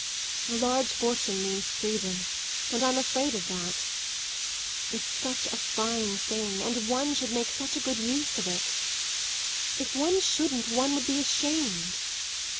A large fortune means freedom, and I'm afraid of that. It's such a fine thing, and one should make such a good use of it. If one shouldn't one would be ashamed.